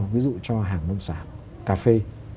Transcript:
ví dụ cho hàng nông sản cà phê